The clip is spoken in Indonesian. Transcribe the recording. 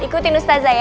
ikuti nustazah ya